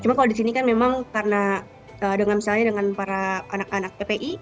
cuma kalau di sini kan memang karena misalnya dengan para anak anak ppi